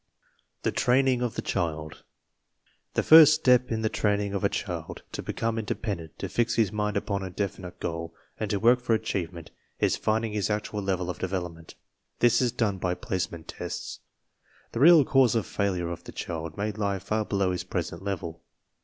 THE TRAINING OF THE CHILD The first step in the training of a child to become in dependent, to fix his mind upon a definite goal, and to work for achievement, is finding his actual level of development. This is done by "Placement Tests." The real cause of failure of the child may lie far below his present level.